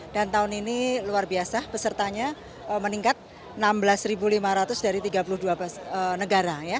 dan tahun ini luar biasa pesertanya meningkat enam belas lima ratus dari tiga puluh dua negara